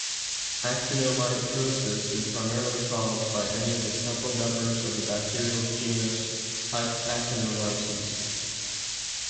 Actinomycosis is primarily caused by any of several members of the bacterial genus "Actinomyces".